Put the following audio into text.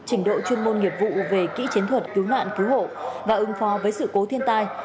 trình độ chuyên môn nghiệp vụ về kỹ chiến thuật cứu nạn cứu hộ và ứng phó với sự cố thiên tai